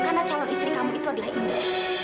karena calon istri kamu itu adalah indy